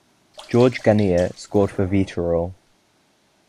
George Ganea scored for Viitorul.